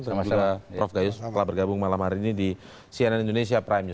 terima kasih prof gayus telah bergabung malam hari ini di cnn indonesia prime news